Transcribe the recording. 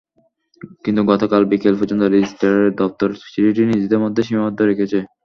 কিন্তু গতকাল বিকেল পর্যন্ত রেজিস্ট্রারের দপ্তর চিঠিটি নিজেদের মধ্যেই সীমাবদ্ধ রেখেছে।